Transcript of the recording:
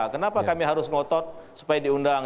kenapa kami harus ngotot supaya diundang